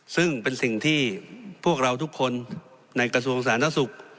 ซึ่งเป็นสิ่งที่พวกเราทุกคนในกระทรวงศาลนักศึกษ์